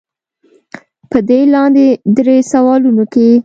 پۀ دې لاندې درې سوالونو کښې